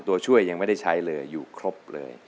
ตัวช่วยยังไม่ได้ใช้เลยอยู่ครบเลย